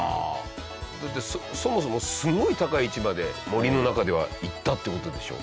だってそもそもすごい高い位置まで森の中では行ったって事でしょ？